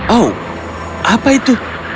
oh apa itu